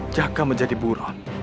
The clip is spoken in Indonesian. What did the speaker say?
jaga menjadi buron